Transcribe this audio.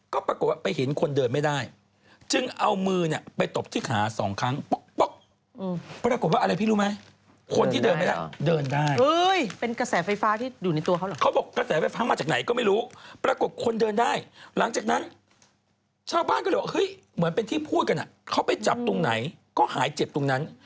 เขาไปจับตรงไหนก็หายเจ็บตรงนั้น